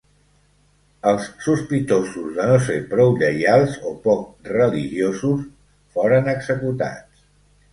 Els sospitosos de no ser prou lleials o poc religiosos foren executats.